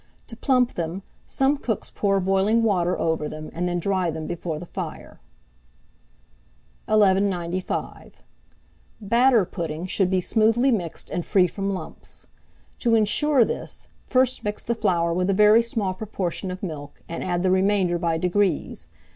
To plump them, some cooks pour boiling water over them, and then dry them before the fire. 1195. Batter pudding should be smoothly mixed and free from lumps. To insure this, first mix the flour with a very small proportion of milk, and add the remainder by degrees.